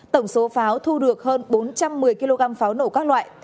tổng số pháo thu được hơn bốn trăm một mươi kg pháo nổ các loại